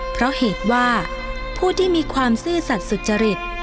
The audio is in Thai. เพราะเหตุว่าผู้ที่มีความซื่อสัตว์สุจริต